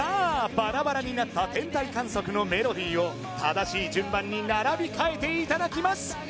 バラバラになった天体観測のメロディーを正しい順番に並び替えていただきます